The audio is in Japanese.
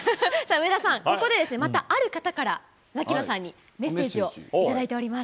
上田さん、ここである方から槙野さんにメッセージを頂いております。